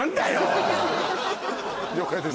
了解です